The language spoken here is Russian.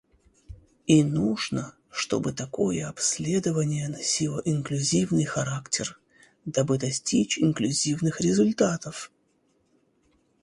И нужно, чтобы такое обследование носило инклюзивный характер, дабы достичь инклюзивных результатов.